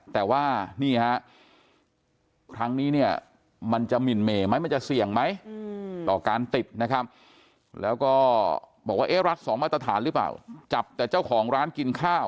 แต่ว่านี่ฮะครั้งนี้เนี่ยมันจะหมิ่นเหม่ไหมมันจะเสี่ยงไหม